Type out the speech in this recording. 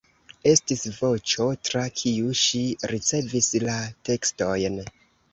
Estis "Voĉo", tra kiu ŝi ricevis la tekstojn.